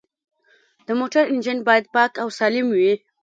د موټر انجن باید پاک او سالم وي.